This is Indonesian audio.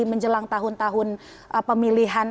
menjelang tahun tahun pemilihan